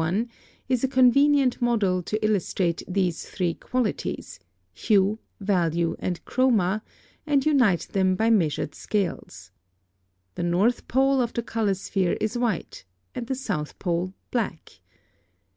1) is a convenient model to illustrate these three qualities, hue, value, and chroma, and unite them by measured scales. (25) The north pole of the color sphere is white, and the south pole black.